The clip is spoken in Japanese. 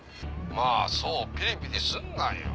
まぁそうピリピリすんなよ。